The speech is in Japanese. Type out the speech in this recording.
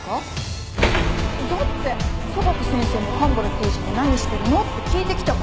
だって榊先生も蒲原刑事も何してるの？って聞いてきたから。